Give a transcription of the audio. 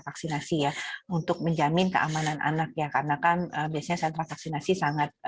vaksinasi ya untuk menjamin keamanan anak ya karena kan biasanya sentra vaksinasi sangat